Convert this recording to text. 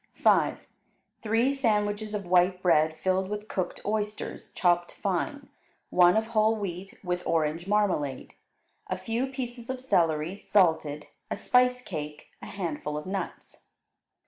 5. Three sandwiches of white bread filled with cooked oysters, chopped fine, one of whole wheat with orange marmalade; a few pieces of celery, salted, a spice cake; a handful of nuts.